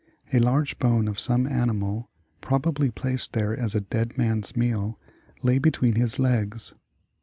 A large bone of some ani mal, probably placed there as a "dead man's meal" lay between his legs.